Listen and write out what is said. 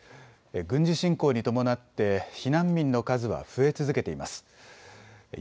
軍事侵攻に伴って避難民の数は増え続けています。